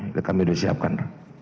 ini kami sudah siapkan